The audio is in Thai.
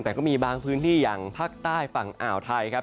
แต่ก็มีบางพื้นที่อย่างภาคใต้ฝั่งอ่าวไทยครับ